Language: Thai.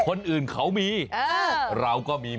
เป็นภาพกีฬามัน